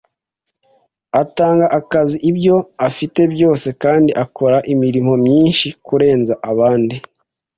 Atanga akazi ibyo afite byose, kandi akora imirimo myinshi kurenza abandi.